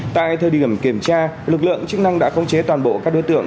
tại thời điểm kiểm tra lực lượng chức năng đã khống chế toàn bộ các đối tượng